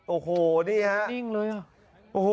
โอ้โหนี่ฮะนิ่งเลยอ่ะโอ้โห